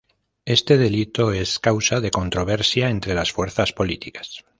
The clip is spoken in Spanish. Este delito es causa de controversia entre las fuerzas políticas.